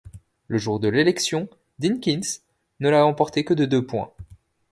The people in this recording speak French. Le jour de l'élection, Dinkins ne l'a emporté que de deux points.